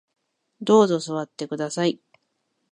どうぞ座ってください